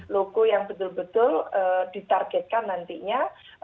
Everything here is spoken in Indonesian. loko yang betul betul ditargetkan nantinya